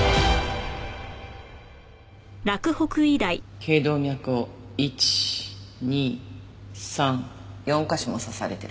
頸動脈を１２３４カ所も刺されてる。